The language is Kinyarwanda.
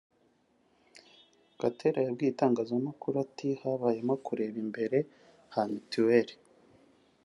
Gatera yabwiye itangazamakuru ati “Habayemo kureba imbere ha mituweli